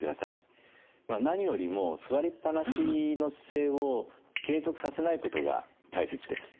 まあ何よりも座りっぱなしの姿勢を継続させないことが大切です。